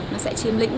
nó sẽ chiếm lĩnh